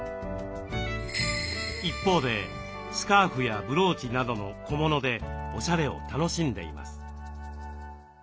一方でスカーフやブローチなどの小物でオシャレを楽しんでいます。